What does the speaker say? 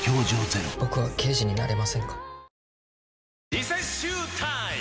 リセッシュータイム！